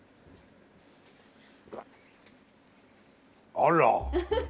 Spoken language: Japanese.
あら！